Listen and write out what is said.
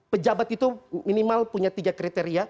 pejabat itu minimal punya tiga kriteria